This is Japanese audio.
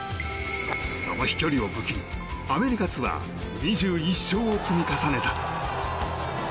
その飛距離を武器にアメリカツアー２１勝を積み重ねた。